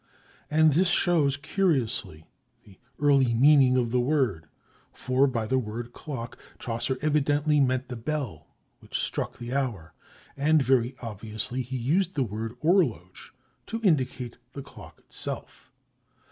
And this shows, curiously, the early meaning of the word, for by the word "clock," Chaucer evidently meant the bell which struck the hour, and, very obviously, he used the word "orloge" to indicate the clock itself.